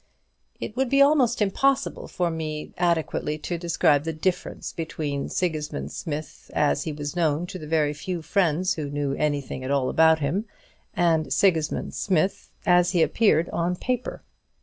It would be almost impossible for me adequately to describe the difference between Sigismund Smith as he was known to the very few friends who knew anything at all about him, and Sigismund Smith as he appeared on paper.